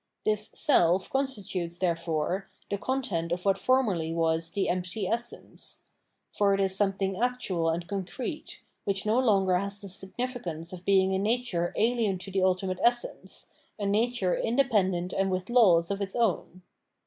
This self constitutes, therefore, the content of what formerly was the empty essence ; for it is something actual and concrete, which no longer has the significance of being a nature alien to the ultimate essence, a nature inde pendent and with laws of its own.